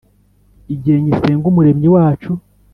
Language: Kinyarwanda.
Igihe ngisenga Umuremyi wacu